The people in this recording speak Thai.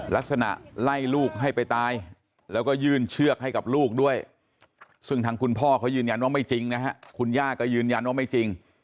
ลักษณะไล่ลูกให้ไปตายแล้วก็ยื่นเชือกให้กับลูกด้วยซึ่งทางคุณพ่อเขายืนยันว่าไม่จริงนะฮะคุณย่าก็ยืนยันว่าไม่จริง